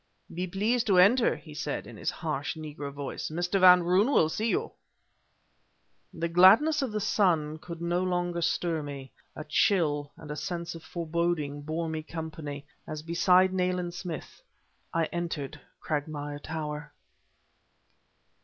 "Be pleased to enter," he said, in his harsh, negro voice. "Mr. Van Roon will see you." The gladness of the sun could no longer stir me; a chill and sense of foreboding bore me company, as beside Nayland Smith I entered Cragmire Tower.